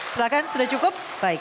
silahkan sudah cukup